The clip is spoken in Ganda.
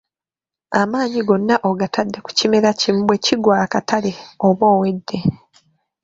Amaanyi gonna ogatadde ku kimera kimu bwe kigwa akatale oba owedde.